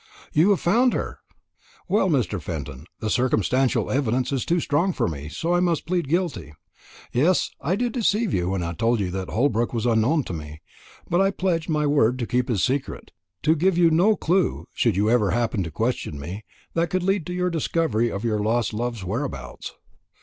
"You have found her! Well, Mr. Fenton, the circumstantial evidence is too strong for me, so I must plead guilty. Yes; I did deceive you when I told you that Holbrook was unknown to me; but I pledged my word to keep his secret to give you no clue, should you ever happen to question me, that could lead to your discovery of your lost love's whereabouts.